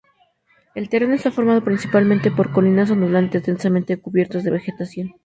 El terreno está formado principalmente por colinas ondulantes densamente cubiertas de vegetación.